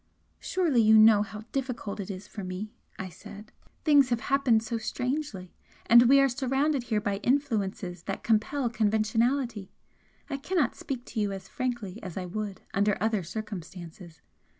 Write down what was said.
"Surely you know how difficult it is for me?" I said. "Things have happened so strangely, and we are surrounded here by influences that compel conventionality. I cannot speak to you as frankly as I would under other circumstances.